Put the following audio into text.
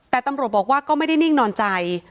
แต่ตำรวจบอกว่าก็ไม่ได้นิ่งนอนใจ